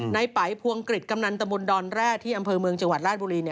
ในปลายภูมิอังกฤษกำนันตมนต์ดอนแร่ที่อำเภอเมืองจังหวัดราชบุรี